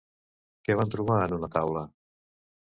Què van trobar en una taula?